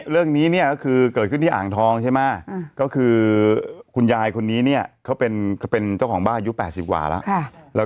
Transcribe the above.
เรื่องนี้เกิดขึ้นที่อ่างทองก็คือคุณยายคุณนี้เป็นเจ้าของบ้านอายุ๘๐บาทแล้ว